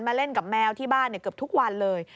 เล่นกับแมวที่บ้านเกือบทุกวันเลย